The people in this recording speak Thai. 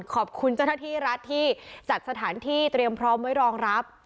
ขอบคุณเจ้าหน้าที่รัฐที่จัดสถานที่เตรียมพร้อมไว้รองรับ